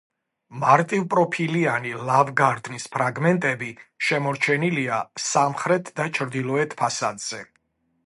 მარტივპროფილიანი ლავგარდნის ფრაგმენტები შემორჩენილია სამხრეთ და ჩრდილოეთ ფასადზე.